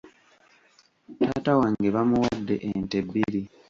Taata wange bamuwadde ente bbiri.